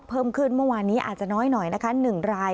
เพิ่มขึ้นเมื่อวานนี้อาจจะน้อยหน่อยนะคะ๑ราย